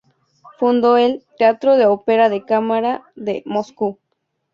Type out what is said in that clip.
Fundó el" Teatro de ópera de cámara de Moscú".